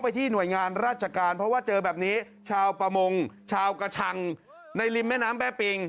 ที่หน่วยงานราชการเพราะว่าเจอแบบนี้ชาวประมงชาวกระชังในริมแม่น้ำแม่ปิง